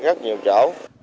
rất nhiều chỗ